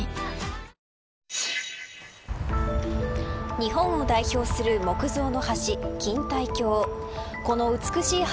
日本を代表する木造の橋錦帯橋。